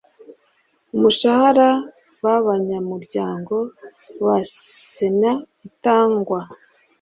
Umushahara babanyamuryango ba sner itangwa